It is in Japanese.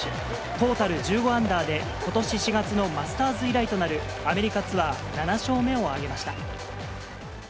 トータル１５アンダーで、ことし４月のマスターズ以来となるアメリカツアー７勝目を挙げました。